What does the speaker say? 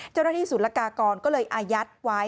เจ้าหน้าที่ศูนย์ละกากรก็เลยอายัดไว้